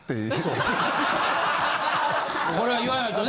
これは言わないとね。